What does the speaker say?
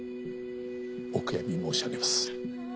お悔やみ申し上げます。